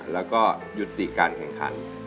แล้วก็ยุติการแข่งขัน